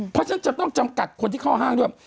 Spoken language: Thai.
เพราะฉะนั้นจะต้องจำกัดคนที่เข้าห้างด้วย